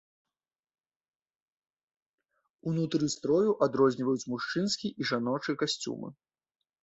Унутры строю адрозніваюць мужчынскі і жаночы касцюмы.